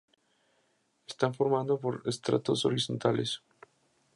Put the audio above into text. Están formados por estratos horizontales.